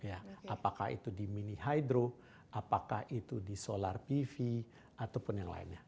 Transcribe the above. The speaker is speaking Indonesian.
apakah itu di mini hydro apakah itu di solar pv ataupun yang lainnya